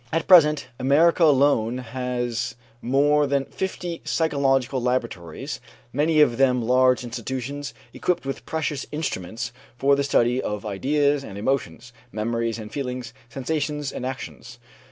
At present, America alone has more than fifty psychological laboratories, many of them large institutions equipped with precious instruments for the study of ideas and emotions, memories and feelings, sensations and actions.